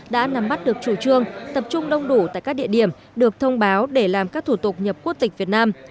đã nắm bắt được chủ trương tập trung đông đủ tại các địa điểm được thông báo để làm các thủ tục nhập quốc tịch việt nam